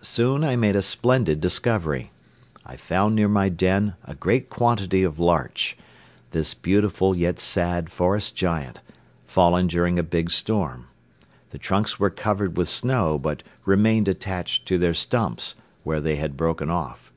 Soon I made a splendid discovery. I found near my den a great quantity of larch, this beautiful yet sad forest giant, fallen during a big storm. The trunks were covered with snow but remained attached to their stumps, where they had broken off.